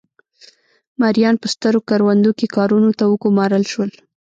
مریان په سترو کروندو کې کارونو ته وګومارل شول.